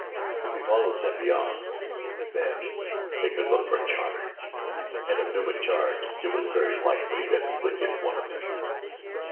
If he followed them beyond, then they could look for a charge, and if Numa charged it was very likely that he would get one of them.